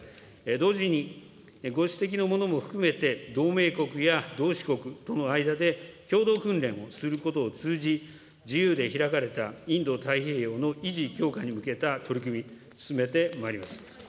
同時に、ご指摘のものも含めて、同盟国や同志国との間で、共同訓練をすることを通じ、自由で開かれたインド太平洋の維持強化に向けた取り組み、進めてまいります。